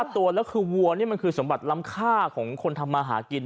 ตัวแล้วคือวัวนี่มันคือสมบัติล้ำค่าของคนทำมาหากิน